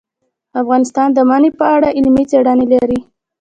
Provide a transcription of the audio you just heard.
افغانستان د منی په اړه علمي څېړنې لري.